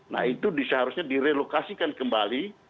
nah itu seharusnya direlokasikan kembali